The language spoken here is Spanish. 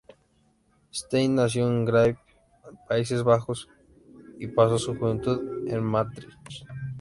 Stein nació en Grave, Países Bajos, y pasó su juventud en Maastricht.